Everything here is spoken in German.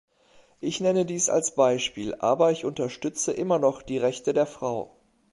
Ich nenne dies als Beispiel, aber ich unterstütze immer noch die Rechte der Frau.